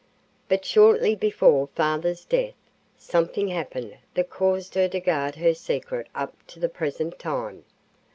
"But shortly before father's death something happened that caused her to guard her secret up to the present time.